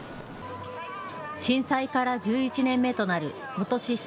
震災から１１年目となることし